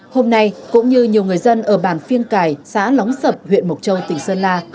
hôm nay cũng như nhiều người dân ở bản phiên cài xã lóng sập huyện mộc châu tỉnh sơn la